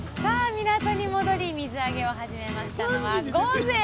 港に戻り水揚げを始めましたのは午前４時！